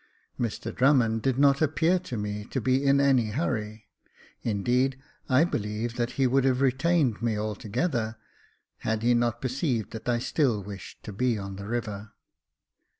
Mr Drummond did not appear to me to be in any hurry ; indeed, I believe that he would have retained me altogether, had he not perceived that I still wished to be on the river.